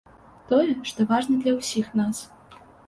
Тое, што важна для ўсіх нас.